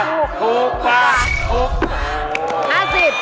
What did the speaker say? ถูกกว่า